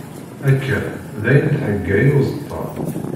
Akka, dayen theyya i uẓeṭṭa.